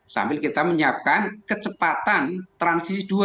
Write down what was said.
sambil kita menyiapkan kecepatan transisi dua